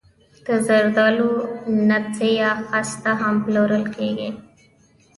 د زردالو نڅي یا خسته هم پلورل کیږي.